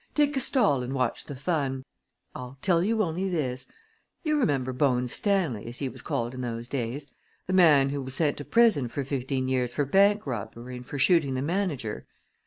Take a stall and watch the fun. I'll tell you only this: You remember Bone Stanley, as he was called in those days the man who was sent to prison for fifteen years for bank robbery and for shooting the manager?